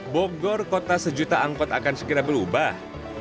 bogor kota sejuta angkot akan segera berubah